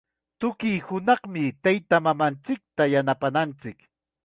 Tukuy hunaqmi taytamamanchikta yanapananchik.